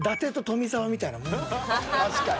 確かに。